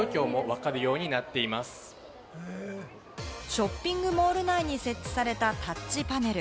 ショッピングモール内に設置されたタッチパネル。